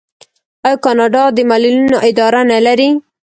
آیا کاناډا د معلولینو اداره نلري؟